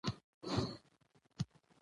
مور ماشومانو ته د ښوونځي د درس تیاری ښيي